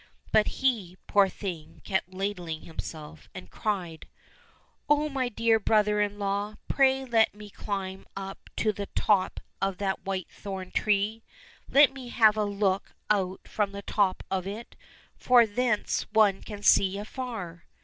But he, poor thing, kept ladling himself, and cried, " Oh, my dear brother in law, pray let me climb up to the top of that whitethorn tree ; let me have a look out from the top of it, for thence one can see afar